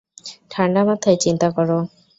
ঠান্ডা মাথায় চিন্তা করো।